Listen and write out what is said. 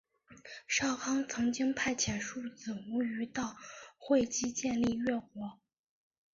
少康曾经派遣庶子无余到会稽建立越国。